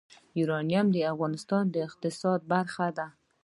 یورانیم د افغانستان د اقتصاد برخه ده.